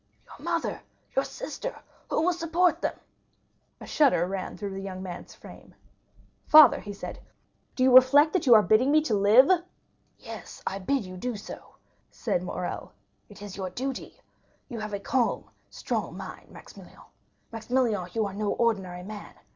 "Your mother—your sister! Who will support them?" A shudder ran through the young man's frame. "Father," he said, "do you reflect that you are bidding me to live?" "Yes, I do so bid you," answered Morrel, "it is your duty. You have a calm, strong mind, Maximilian. Maximilian, you are no ordinary man.